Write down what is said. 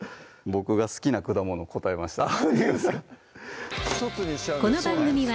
僕が好きな果物答えました